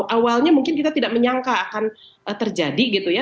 awalnya mungkin kita tidak menyangka akan terjadi gitu ya